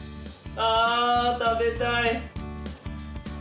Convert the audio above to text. ああ、食べたい！